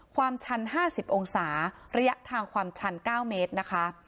ความชัน๕๐องศาระยะทางความชัน๙เมตรนะคะ